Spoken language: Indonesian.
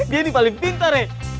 dia ini paling pintar ya